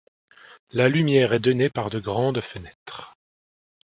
La lumière est donnée par de grandes fenêtres.